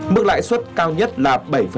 mức lãi suất cao nhất là bảy ba